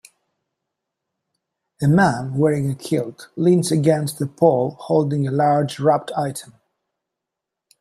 A man wearing a kilt leans against a poll holding a large wrapped item.